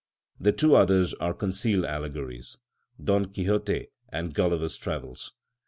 The two others are concealed allegories, "Don Quixote" and "Gulliver's Travels."